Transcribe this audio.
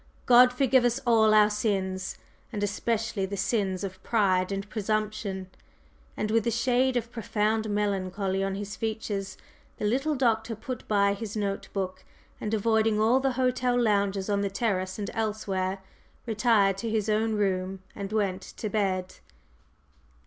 God forgive us all our sins, and especially the sins of pride and presumption!" And with a shade of profound melancholy on his features, the little Doctor put by his note book, and, avoiding all the hotel loungers on the terrace and elsewhere, retired to his own room and went to bed.